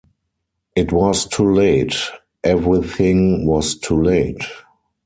It was too late — everything was too late.